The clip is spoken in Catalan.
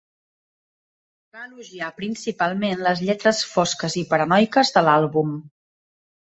Va elogiar principalment les lletres fosques i paranoiques de l'àlbum.